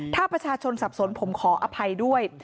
ถ้าประชาชนสับสนผมขออภัยด้วย